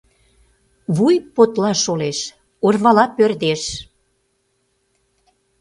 Вуй подла шолеш, орвала пӧрдеш.